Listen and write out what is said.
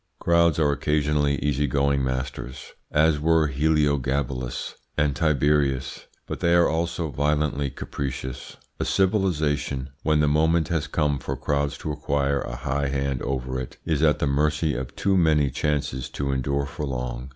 Crowds are occasionally easy going masters, as were Heliogabalus and Tiberius, but they are also violently capricious. A civilisation, when the moment has come for crowds to acquire a high hand over it, is at the mercy of too many chances to endure for long.